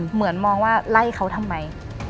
เหมือนมองว่าไล่เขาทำไม